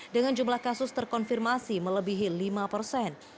dengan jumlah kasus terkonfirmasi melebihi lima persen